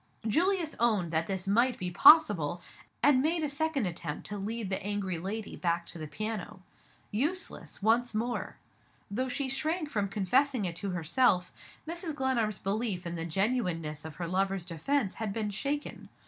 Julius owned that this might be possible, and made a second attempt to lead the angry lady back to the piano. Useless, once more! Though she shrank from confessing it to herself, Mrs. Glenarm's belief in the genuineness of her lover's defense had been shaken.